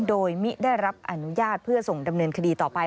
โดยมิได้รับอนุญาตเพื่อส่งดำเนินคดีต่อไป